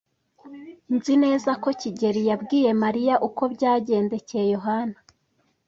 Nzi neza ko kigeli yabwiye Mariya uko byagendekeye Yohana.